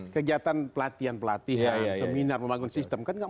kegiatan pelatihan pelatihan itu kan menurut saya nggak bisa dibahas